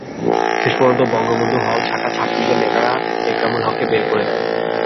শেষ পর্যন্ত বঙ্গবন্ধু হল শাখা ছাত্রলীগের নেতারা একরামুল হককে বের করে দেন।